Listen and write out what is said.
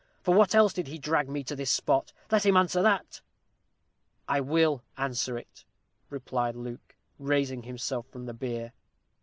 for what else did he drag me to this spot? Let him answer that!" "I will answer it," replied Luke, raising himself from the bier.